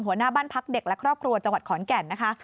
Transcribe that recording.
หัวหน้าบ้านพักเด็กและครอบครัวจังหวัดขอนแก่นนะคะ